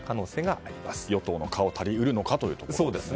与党の顔足りうるのかというところですね。